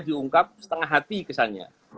diungkap setengah hati kesannya